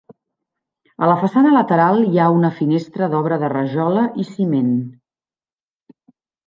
A la façana lateral hi ha una finestra d'obra de rajola i ciment.